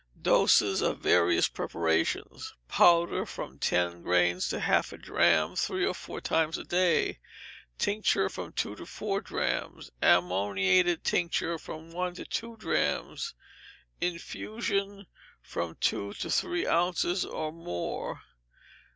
Doses of various preparations. Powder, from ten grains to half a drachm, three or four times a day; tincture, from two to four drachms; ammoniated tincture, from one to two drachms; infusion, from two to three ounces, or more.